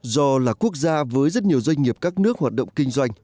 do là quốc gia với rất nhiều doanh nghiệp các nước hoạt động kinh doanh